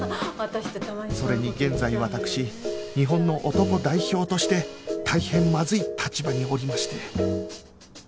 それに現在わたくし日本の男代表として大変まずい立場におりまして